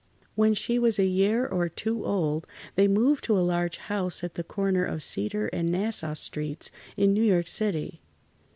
When she was a year or two old, they moved to a large house at the corner of [Pg 66]Cedar and Nassau Streets, in New York City.